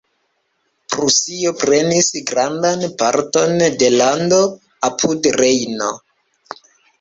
Prusio prenis grandan parton de lando apud Rejno.